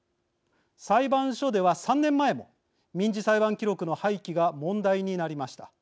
裁判所では、３年前も民事裁判記録の廃棄が問題になりました。